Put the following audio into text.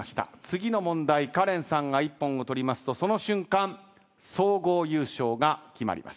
次の問題カレンさんが一本を取りますとその瞬間総合優勝が決まります。